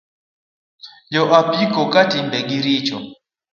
Jo apiko ka timbe gi richo